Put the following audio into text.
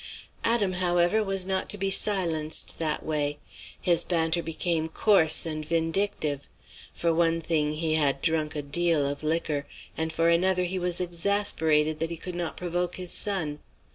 Adam, however, was not to be silenced that way. His banter became coarse and vindictive; for one thing he had drunk a deal of liquor, and for another he was exasperated that he could not provoke his son.